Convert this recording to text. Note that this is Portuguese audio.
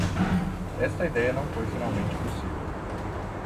Esta ideia não foi finalmente possível.